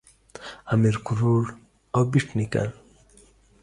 امیر کروړ او بېټ نیکه